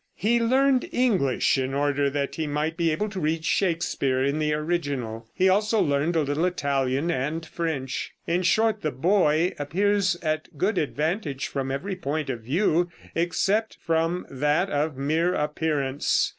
He learned English in order that he might be able to read Shakespeare in the original. He also learned a little Italian and French. In short, the boy appears at good advantage from every point of view, except from that of mere appearance.